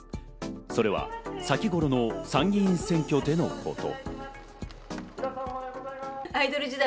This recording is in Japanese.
それは先頃の参議院議員選挙でのこと。